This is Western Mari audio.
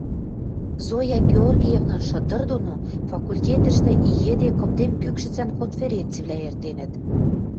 Зоя Георгиевнан шытыр доно факультетӹштӹ и йӹде кымдем кӱкшӹцӓн конференцивлӓ эртенӹт